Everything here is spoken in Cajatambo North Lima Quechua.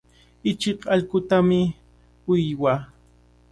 Ichik allqutami uywaa.